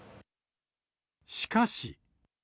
しかし。